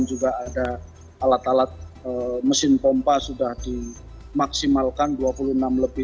juga ada alat alat mesin pompa sudah dimaksimalkan dua puluh enam lebih